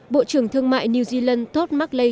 bộ trưởng thương mại new zealand todd macleay